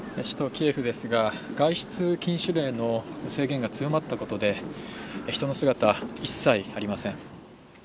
首都キエフですが外出禁止令の制限が強まったことで人の姿は一切ありません。